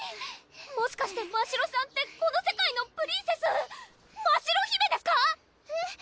もしかしてましろさんってこの世界のプリンセスましろ姫ですか⁉えっ？